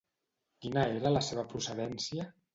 Quina era la seva procedència?